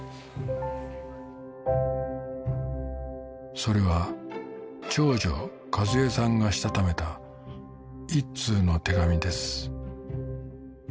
それは長女一枝さんがしたためた１通の手紙です